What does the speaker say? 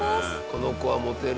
この子はモテる。